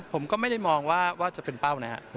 ผมก็ไม่ได้มองว่าจะเป็นเป้านะครับ